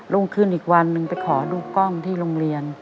รุ่งขึ้นอีกวันหนึ่งไปขอดูกล้องที่โรงเรียน